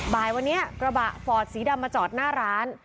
บ่ายวันนี้กระบะฟอร์ดสีดำมาจอดหน้าร้าน